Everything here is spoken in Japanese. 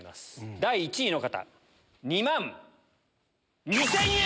第１位の方２万２０００円！